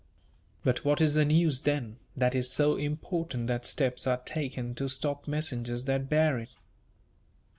"But what is the news, then, that is so important that steps are taken to stop messengers that bear it?"